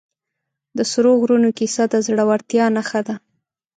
د سرو غرونو کیسه د زړورتیا نښه ده.